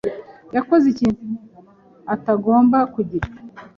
yakoze ikintu atagomba kugira?